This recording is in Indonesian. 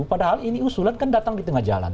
padahal ini usulan kan datang di tengah jalan